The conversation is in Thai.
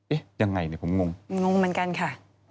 เอ๊ะยังไงผมงงงงเหมือนกันค่ะ